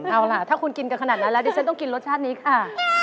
เอาล่ะถ้าคุณกินกันขนาดนั้นแล้วดิฉันต้องกินรสชาตินี้ค่ะ